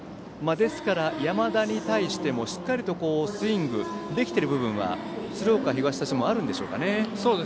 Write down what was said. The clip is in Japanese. ですから、山田に対してもしっかりとスイングできている部分は鶴岡東としてもあるんでしょうか。